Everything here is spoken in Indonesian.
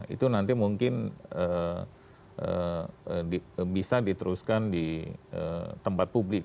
itu nanti mungkin bisa diteruskan di tempat publik